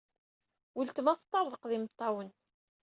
Uletma teṭṭerḍeq d imeṭṭawen.